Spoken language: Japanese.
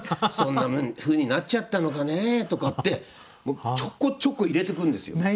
「そんなふうになっちゃったのかね」とかってちょこちょこ入れてくるんですよ。